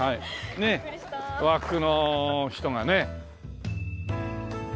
ねえ和服の人がね。